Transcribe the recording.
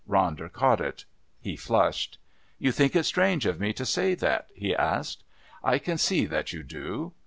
Ronder caught it; he flushed. "You think it strange of me to say that?" he asked. "I can see that you do.